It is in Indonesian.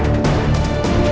wuh tinggi juga ya